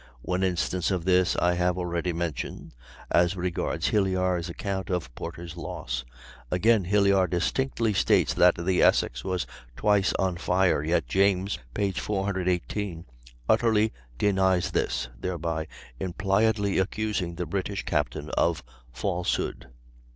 One instance of this I have already mentioned, as regards Hilyar's account of Porter's loss. Again, Hilyar distinctly states that the Essex was twice on fire, yet James (p. 418) utterly denies this, thereby impliedly accusing the British captain of falsehood.